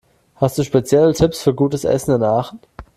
Hast du spezielle Tipps für gutes Essen in Aachen?